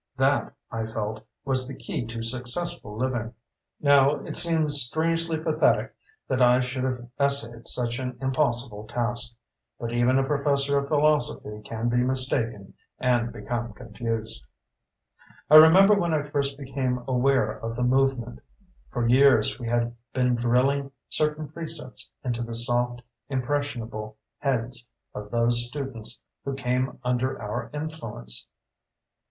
That, I felt, was the key to successful living. Now it seems strangely pathetic that I should have essayed such an impossible task. But even a professor of philosophy can be mistaken and become confused. I remember when I first became aware of the movement. For years, we had been drilling certain precepts into the soft, impressionable heads of those students who came under our influence.